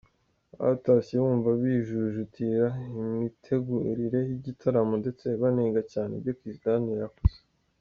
Batashye wumva bijujutira imitegurire y’igitaramo ndetse banenga cyane ibyo Kiss Daniel yakoze.